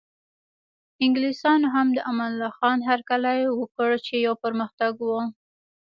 انګلیسانو هم د امان الله خان هرکلی وکړ چې یو پرمختګ و.